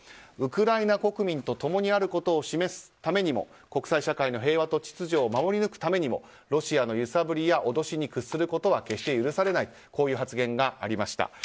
ウクライナ国民と共にあることを示すためにも国際社会の平和と秩序を守り抜くためにもロシアの揺さぶりや脅しに屈することは決して許されないとこういう発言がありました。